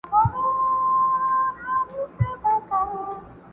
o کم اصل چي کوم ځاى خوري، هلته خړي٫